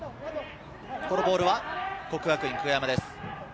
このボールは國學院久我山です。